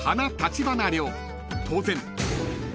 ［当然］